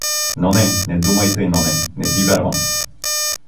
Ноне, не думай тъй, Ноне, не ти вярвам!